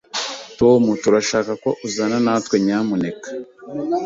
Tom, turashaka ko uzana natwe, nyamuneka.